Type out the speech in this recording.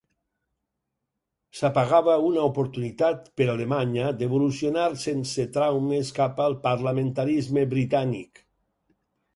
S'apagava una oportunitat per Alemanya d'evolucionar sense traumes cap al parlamentarisme britànic.